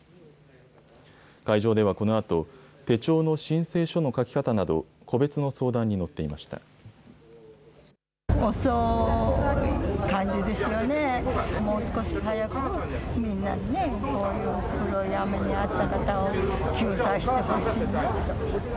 会場ではこのあと、手帳の申請書の書き方など、個別の相談に乗っていました。